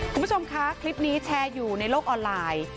คุณผู้ชมคะคลิปนี้แชร์อยู่ในโลกออนไลน์